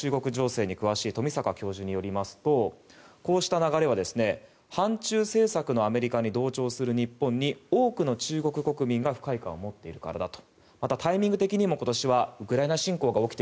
拓殖大学の中国情勢に詳しい富坂教授によりますとこうした流れは反中政策の流れになっている日本に多くの中国国民が不快感を持っているからだと。